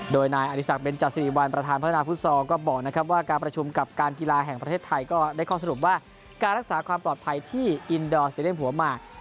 โดยนายอริสักเบนจาสิริวัลประธานพัฒนาฟุตซอลก็บอกนะครับว่าการประชุมกับการกีฬาแห่งประเทศไทยก็ได้ข้อสรุปว่าการรักษาความปลอดภัยที่อินดอร์สเตรียมหัวหมาก